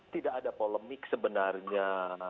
tidak ada polemik sebenarnya